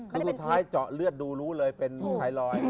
คือสุดท้ายเจาะเลือดดูรู้เลยเป็นไทรอยด์